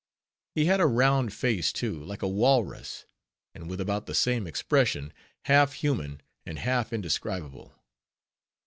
He had a round face, too, like a walrus; and with about the same expression, half human and half indescribable.